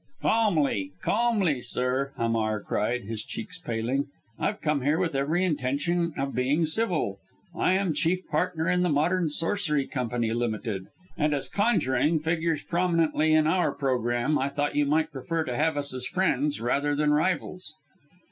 "Calmly, calmly, sir!" Hamar cried, his cheeks paling. "I've come here with every intention of being civil. I am chief partner in the Modern Sorcery Company Ltd., and as conjuring figures prominently in our programme I thought you might prefer to have us as friends rather than rivals."